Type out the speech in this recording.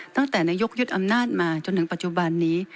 ตั้งแต่นายกยึดอำนาจมาจนถึงปัจจุบันนี้